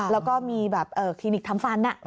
แล้วก็มีแบบคลินิกทำฟัน